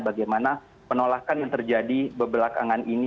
bagaimana penolakan yang terjadi bebelakangan ini